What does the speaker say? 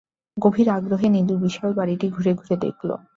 গভীর আগ্রহে নীলু বিশাল বাড়িটি ঘুরে-ঘুরে দেখল।